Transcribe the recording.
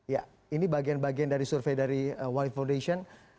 ya ini bagian bagian dari survei dari white foundation